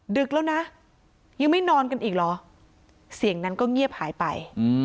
ดึกแล้วนะยังไม่นอนกันอีกเหรอเสียงนั้นก็เงียบหายไป